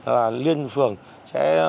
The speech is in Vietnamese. là liên phường sẽ